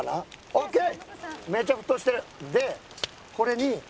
オーケー！